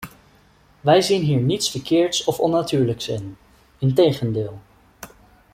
Wij zien hier niets verkeerds of onnatuurlijks in, integendeel.